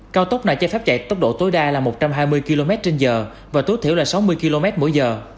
cao tốc này cho phép chạy tốc độ tối đa là một trăm hai mươi km trên giờ và tối thiểu là sáu mươi km mỗi giờ